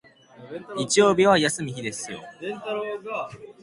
日曜日は休む日ですよ